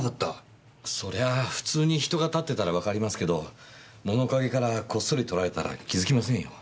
そりゃあ普通に人が立ってたらわかりますけど物陰からこっそり撮られたら気づきませんよ。